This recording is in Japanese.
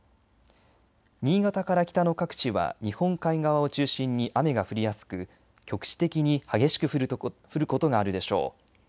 新潟から北の各地は日本海側を中心に雨が降りやすく局地的に激しく降ることがあるでしょう。